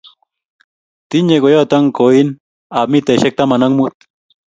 Tinye koyotok koin ab mitaishek taman ak mut